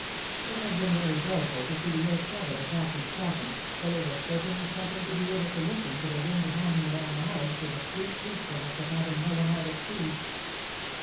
It had been very doleful to see the earth cover the Captain's coffin, but it was certainly something' to be able to listen to the wind moaning around the house with the sweet peacefulness of having no one out at sea.